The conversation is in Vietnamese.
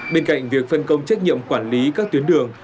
bên cạnh việc phân công trách nhiệm quản lý các tuyến đường